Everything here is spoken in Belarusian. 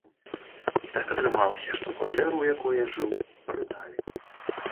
І так атрымалася, што кватэру, у якой я жыў, прадалі.